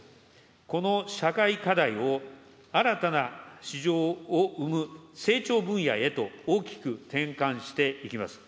この社会課題を新たな市場を生む成長分野へと大きく転換していきます。